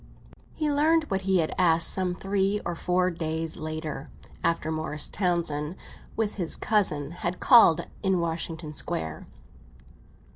V HE learned what he had asked some three or four days later, after Morris Townsend, with his cousin, had called in Washington Square.